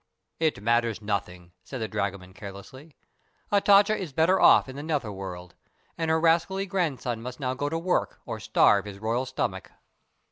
"It matters nothing," said the dragoman, carelessly. "Hatatcha is better off in the nether world, and her rascally grandson must now go to work or starve his royal stomach."